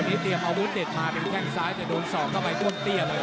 ตัวนี้เตรียมเอาวุฒิเต็ดมาเป็นแข่งซ้ายแต่โดนส่องเข้าไปก้นเตี้ยเลย